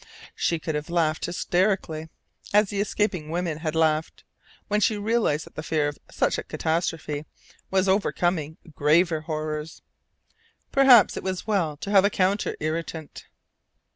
She could have laughed hysterically, as the escaping women had laughed, when she realized that the fear of such a catastrophe was overcoming graver horrors. Perhaps it was well to have a counter irritant.